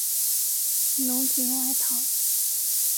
侬锦外逃。